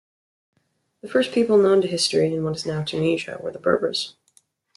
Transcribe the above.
The first people known to history in what is now Tunisia were the Berbers.